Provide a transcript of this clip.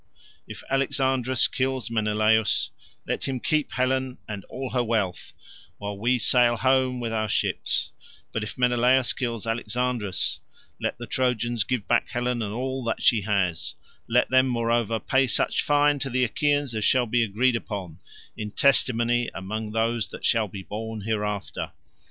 If Alexandrus kills Menelaus, let him keep Helen and all her wealth, while we sail home with our ships; but if Menelaus kills Alexandrus, let the Trojans give back Helen and all that she has; let them moreover pay such fine to the Achaeans as shall be agreed upon, in testimony among those that shall be born hereafter.